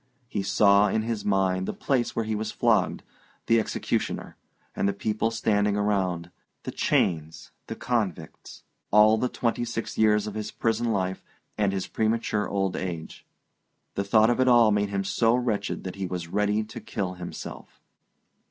He saw, in his mind, the place where he was flogged, the executioner, and the people standing around; the chains, the convicts, all the twenty six years of his prison life, and his premature old age. The thought of it all made him so wretched that he was ready to kill himself.